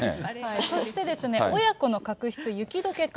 そして、親子の確執、雪どけか。